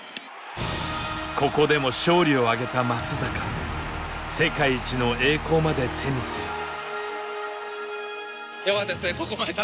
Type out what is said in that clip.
ここでも勝利をあげた松坂世界一の栄光まで手にする。